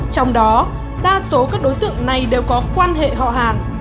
trong đó đa số các đối tượng này đều có quan hệ họ hàng